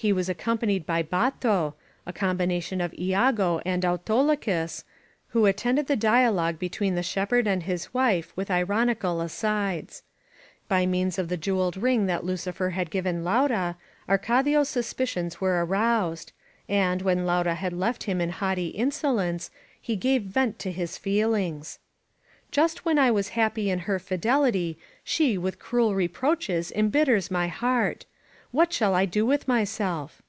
He was accompanied by BatOy a com bination of lago and AutolycuSy who attended the dia logue between the shepherd and his wife with ironical asides. By means of the jeweled ring that Lticifer had given La/ura, Arcadio^s suspicions were aroused, and, when Laura had left him in haughty insolence, he gave, vent to his feelings: Just when I was happy in her fidelity, she with cruel reproaches embitters my heart! What shall I do with myself?"